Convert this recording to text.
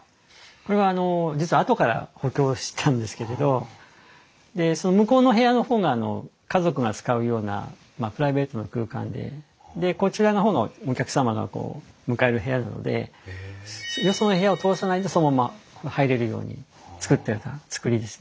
これはあの実はあとから補強したんですけれどで向こうの部屋の方が家族が使うようなプライベートな空間ででこちらの方がお客様がこう迎える部屋なのでよその部屋を通さないでそのまんま入れるように造ってた造りですね。